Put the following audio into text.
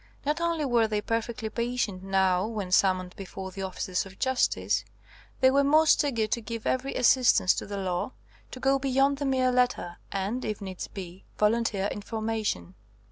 Not only were they perfectly patient now when summoned before the officers of justice, they were most eager to give every assistance to the law, to go beyond the mere letter, and, if needs be, volunteer information.